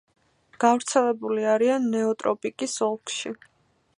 გავრცელებული არიან ნეოტროპიკის ოლქში.